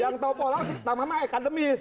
yang tahu pola nama nama ekademis